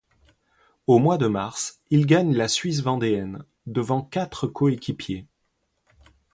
Au mois de mars, il gagne La Suisse Vendéenne, devant quatre coéquipiers.